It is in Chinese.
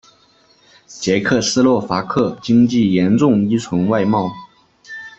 捷克斯洛伐克经济严重依存外贸。